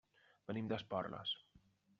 Venim d'Esporles.